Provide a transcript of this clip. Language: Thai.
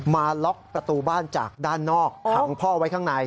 มาล็อกประตูบ้านจากด้านนอกขังพ่อไว้ข้างใน